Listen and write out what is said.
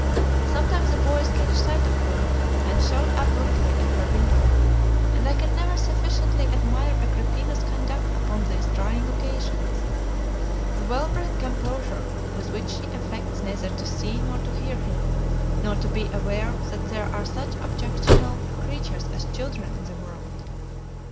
Sometimes the boys catch sight of her, and shout up rudely at her window; and I can never sufficiently admire Agrippina's conduct upon these trying occasions, the well bred composure with which she affects neither to see nor to hear them, nor to be aware that there are such objectionable creatures as children in the world.